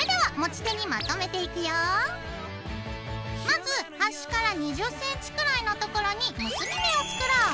まずはしから２０ｃｍくらいのところに結び目を作ろう。